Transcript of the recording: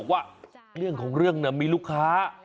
เขาเลยเลี่ยวกัน